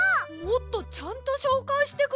もっとちゃんとしょうかいしてください。